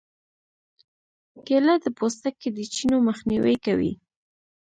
کېله د پوستکي د چینو مخنیوی کوي.